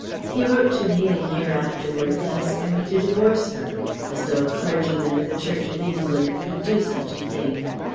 He wrote to me a year afterwards asking me to divorce her. As though a Clergyman of the Church of England could do such a thing!